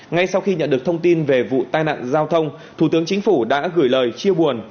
ngay sau khi nhận được thông tin về vụ tai nạn giao thông thủ tướng chính phủ đã gửi lời chia buồn